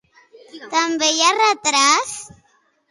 També hi ha retrats?